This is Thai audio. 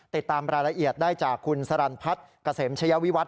ติดตามรายละเอียดได้จากคุณสรรันพัฒน์กระเสมเฉยวิวัฒน์